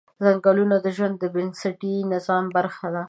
ځنګلونه د ژوند د بنسټي نظام برخه ده